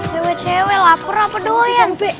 cewa cewe lapar apa doyan